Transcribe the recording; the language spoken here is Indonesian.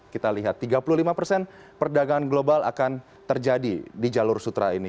kita lihat tiga puluh lima persen perdagangan global akan terjadi di jalur sutra ini